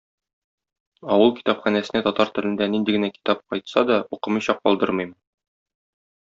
Авыл китапханәсенә татар телендә нинди генә китап кайтса да, укымыйча калдырмыйм.